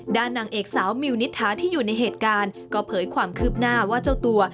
นางเอกสาวมิวนิษฐาที่อยู่ในเหตุการณ์ก็เผยความคืบหน้าว่าเจ้าตัว